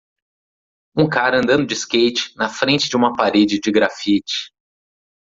Um cara andando de skate na frente de uma parede de graffiti